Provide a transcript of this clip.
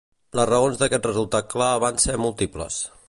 Les raons d'aquest resultat clar van ser múltiples.